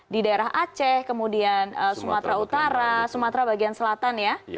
di daerah aceh kemudian sumatera utara sumatera bagian selatan ya